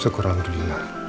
syukurlah nur dila